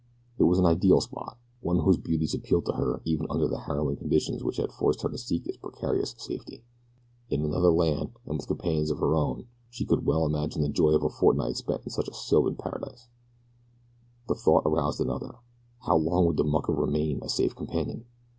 It was an ideal spot, one whose beauties appealed to her even under the harrowing conditions which had forced her to seek its precarious safety. In another land and with companions of her own kind she could well imagine the joy of a fortnight spent in such a sylvan paradise. The thought aroused another how long would the mucker remain a safe companion?